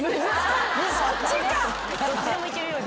どっちでもいけるように。